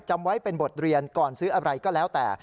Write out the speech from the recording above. จำไว้เป็นบทเรียนก่อนซื้ออะไรก็แล้วแต่